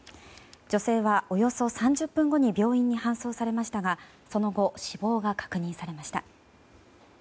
女性はおよそ３０分後に病院に搬送されましたがその後、死亡が確認されました。